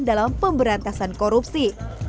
dalam pemberantasan korupsi